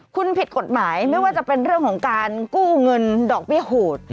คุณผิดกฎหมายไม่ว่าจะเป็นเรื่องของการกู้เงินดอกเบี้ยโหด